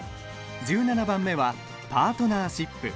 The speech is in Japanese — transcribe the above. １７番目は「パートナーシップ」。